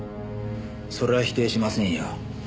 それは否定しませんよ。